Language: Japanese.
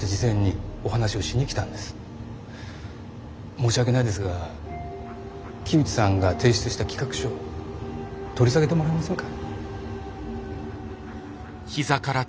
申し訳ないですが木内さんが提出した企画書取り下げてもらえませんか？